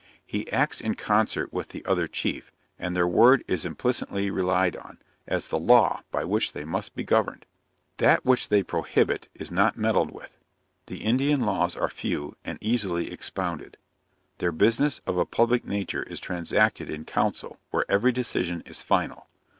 He acts in concert with the other Chief, and their word is implicitly relied on, as the law by which they must be governed. That which they prohibit, is not meddled with. The Indian laws are few, and easily expounded. Their business of a public nature is transacted in council, where every decision is final.